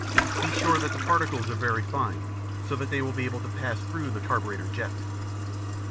Be sure that the particles are very fine, so that they will be able to pass through the carburetor jet.